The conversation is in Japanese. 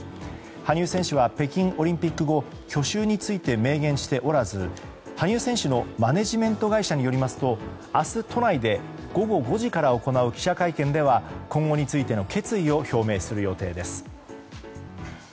羽生選手は北京オリンピック後去就について明言しておらず羽生選手のマネジメント会社によりますと明日、都内で午後５時から行う記者会見では今後についての決意を表明する予定です。